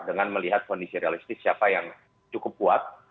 dengan melihat kondisi realistis siapa yang cukup kuat